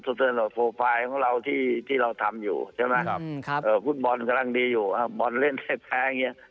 ซึ่งเราจะน่าจะทำงานได้ดี